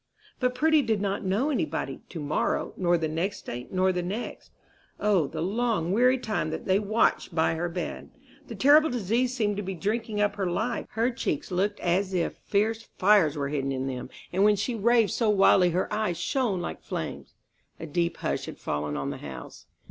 But Prudy did not know any body "to morrow," nor the next day, nor the next. O, the long, weary time that they watched by her bed! The terrible disease seemed to be drinking up her life. Her cheeks looked as if fierce fires were hidden in them, and when she raved so wildly her eyes shone like flames. A deep hush had fallen on the house.